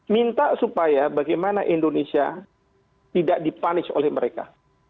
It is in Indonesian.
minta supaya bagaimana indonesia tidak dipanis oleh mereka